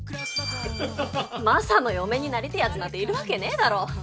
マサの嫁になりてえやつなんているわけねえだろ。